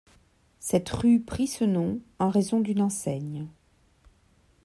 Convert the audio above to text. Cette rue prit ce nom en raison d'une enseigne.